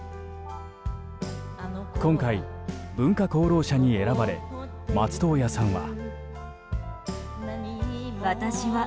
今回、文化功労者に選ばれ松任谷さんは。